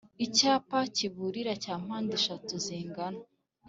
icyapa kiburira cya mpandeshatu zingana